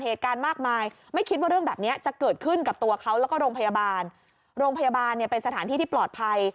เหตุการณ์มากมายไม่คิดว่าเรื่องแบบนี้จะเกิดขึ้นกับตัวเขาแล้วก็โรงพยาบาลโรงพยาบาลเนี่ยเป็นสถานที่ที่ปลอดภัย